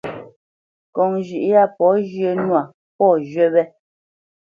Ŋkɔŋ zhʉ̌ʼ yâ pɔ̌ zhyə̄ nwâ, pɔ̌ zhywí wé.